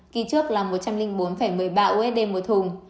kỳ trước là một trăm linh bốn một mươi ba usd một thùng